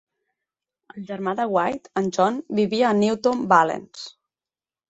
El germà de White, en John, vivia a Newton Valence.